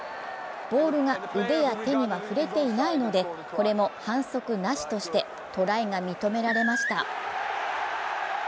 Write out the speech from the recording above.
ボールが腕や手には触れていないのでこれも反則なしとしてトライが認められました。